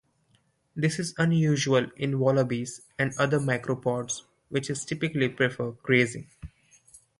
This is unusual in wallabies and other macropods, which typically prefer grazing.